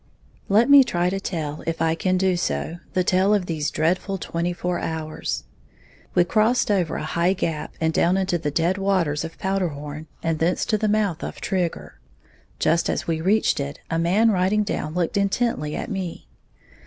_ Let me try to tell, if I can do so, the tale of these dreadful twenty four hours. We crossed over a high gap and down into the head waters of Powderhorn, and thence to the mouth of Trigger. Just as we reached it, a man riding down looked intently at me.